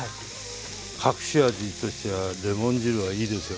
隠し味としてはレモン汁はいいですよ。